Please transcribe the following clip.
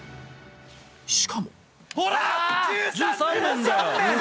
しかも